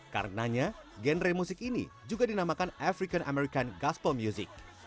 karenanya genre musik ini juga dinamakan african american gaspol music